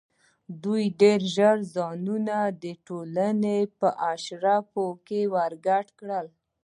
دوی ډېر ژر ځانونه د ټولنې په اشرافو کې ورګډ کړل.